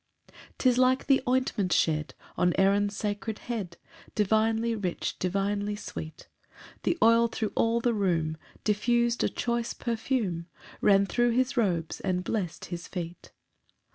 2 'Tis like the ointment shed On Aaron's sacred head, Divinely rich, divinely sweet; The oil, thro' all the room, Diffus'd a choice perfume, Ran thro' his robes, and blest his feet.